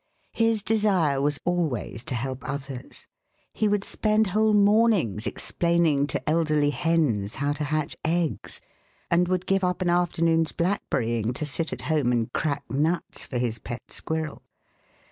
His desire was always to help others. He would spend whole mornings explaining to elderly hens how to hatch eggs, and would give up an afternoon's black berrying to sit at home and crack nuts for his pet squirrel.